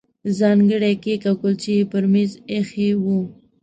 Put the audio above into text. ځانګړي کیک او کولچې یې پر مېز ایښي وو.